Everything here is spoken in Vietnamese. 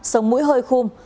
sông mũi hơi khum